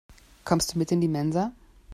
Kommst du mit in die Mensa?